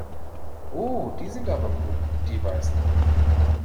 Oh, die sind aber gut, die Weißen!